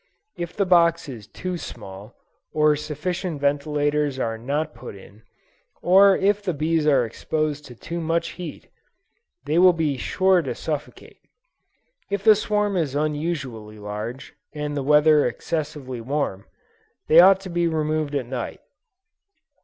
If the box is too small, or sufficient ventilators are not put in, or if the bees are exposed to too much heat, they will be sure to suffocate. If the swarm is unusually large, and the weather excessively warm, they ought to be moved at night.